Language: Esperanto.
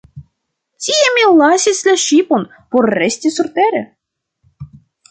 Tie mi lasis la ŝipon, por resti surtere.